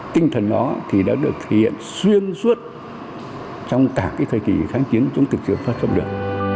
tinh thần nó thì đã được thể hiện xuyên suốt trong cả cái thời kỳ kháng chiến chúng thực sự phát trọng được